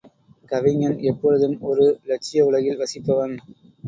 கவிஞன் எப்பொழுதும் ஒரு இலட்சிய உலகில் வசிப்பவன்.